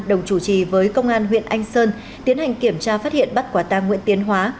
đồng chủ trì với công an huyện anh sơn tiến hành kiểm tra phát hiện bắt quả tang nguyễn tiến hóa